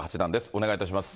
お願いいたします。